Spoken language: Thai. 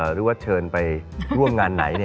หรือว่าเชิญไปร่วมงานไหน